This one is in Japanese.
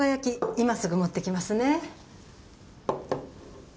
今すぐ持ってきますね。